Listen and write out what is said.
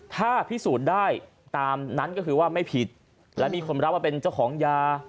ถ้าพิสูจน์ได้ตามนั้นก็คือว่าไม่ผิดและมีคนรับว่าเป็นเจ้าของยา